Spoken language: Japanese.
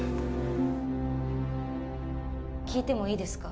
聞いてもいいですか？